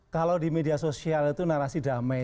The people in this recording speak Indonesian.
kalau di media sosial itu narasi damai